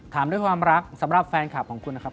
ถามด้วยความรักสำหรับแฟนคลับของคุณนะครับ